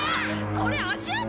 これ足跡！？